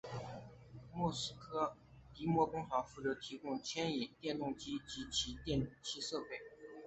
莫斯科迪纳摩工厂负责提供牵引电动机及其他电气设备。